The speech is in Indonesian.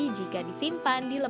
dan juga selama setengah hari